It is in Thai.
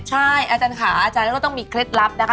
ใช่อาจารย์ค่ะอาจารย์ก็ต้องมีเคล็ดลับนะคะ